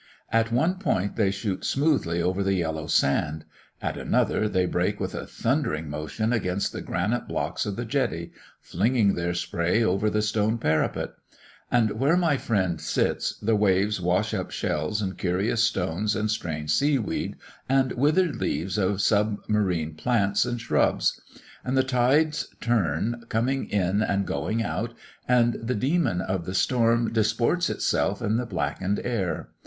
At one point they shoot smoothly over the yellow sand; at another they break with a thundering motion against the granite blocks of the jetty, flinging their spray over the stone parapet; and where my friend sits, the waves wash up shells and curious stones, and strange sea weed, and withered leaves of sub marine plants and shrubs; and the tides turn, coming in and going out, and the demon of the storm disports itself in the blackened air.